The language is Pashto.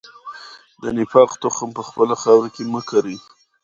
د نفاق تخم په خپله خاوره کې مه کرئ.